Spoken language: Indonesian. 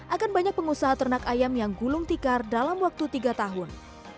akan banyak pengusaha ternak ayam yang gulung tikar dalam waktu tiga tahun